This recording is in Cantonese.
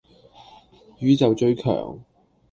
宇宙最強